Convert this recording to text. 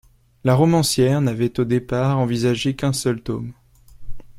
La romancière n'avait au départ envisagé qu'un seul tome.